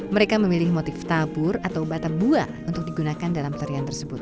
mereka memilih motif tabur atau batam buah untuk digunakan dalam tarian tersebut